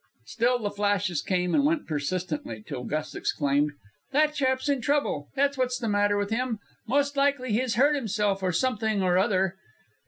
Still the flashes came and went persistently, till Gus exclaimed: "That chap's in trouble, that's what's the matter with him! Most likely he's hurt himself or something or other."